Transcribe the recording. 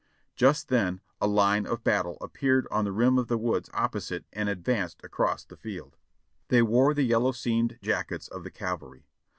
Just then a line of battle appeared on the rim of the woods opposite and advanced across the field. They wore the yellow seamed jackets of the cavalry.